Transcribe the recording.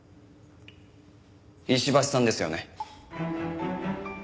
石橋さんですよね？